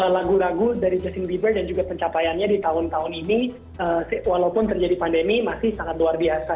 lagu lagu dari justin bieber dan juga pencapaiannya di tahun tahun ini walaupun terjadi pandemi masih sangat luar biasa